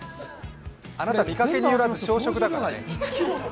あなた、見かけによらず小食だからね。